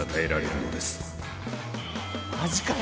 マジかよ！